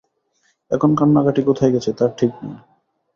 এখন কান্নাকাটি কোথায় গেছে তার ঠিক নেই!